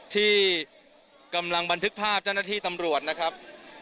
ที่กำลังบันทึกภาพเจ้าหน้าที่ตำรวจนะครับ